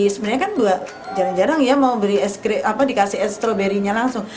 sebenarnya kan jarang jarang ya mau dikasih stroberinya langsung